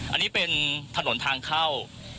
อันนี้เป็นถนนทางเข้า